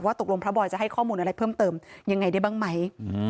ตกลงพระบอยจะให้ข้อมูลอะไรเพิ่มเติมยังไงได้บ้างไหม